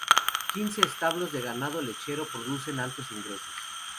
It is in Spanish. Quince establos de ganado lechero producen altos ingresos.